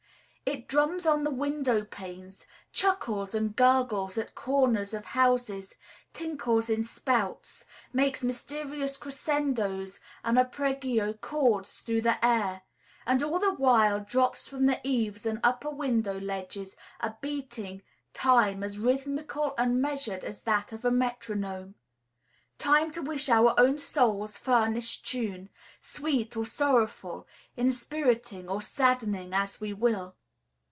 It drums on the window panes, chuckles and gurgles at corners of houses, tinkles in spouts, makes mysterious crescendoes and arpeggio chords through the air; and all the while drops from the eaves and upper window ledges are beating time as rhythmical and measured as that of a metronome, time to which our own souls furnish tune, sweet or sorrowful, inspiriting or saddening, as we will.